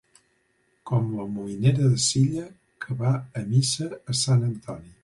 Com la molinera de Silla, que va a missa a Sant Antoni.